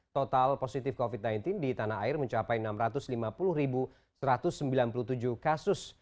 total positif covid sembilan belas di tanah air mencapai enam ratus lima puluh satu ratus sembilan puluh tujuh kasus